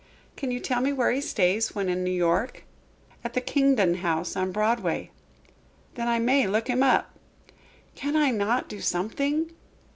"Can you tell me where he stays when in New York?" "At the Kingdon House, on Broadway." "Then I may look him up." "Cannot I do something?"